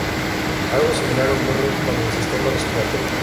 Algo similar ocurre con el sistema respiratorio.